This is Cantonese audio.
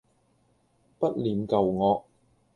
不念舊惡